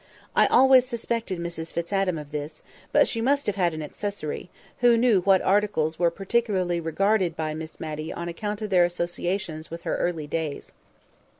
I always suspected Mrs Fitz Adam of this; but she must have had an accessory, who knew what articles were particularly regarded by Miss Matty on account of their associations with her early days.